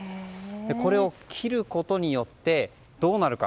これを切ることによってどうなるか。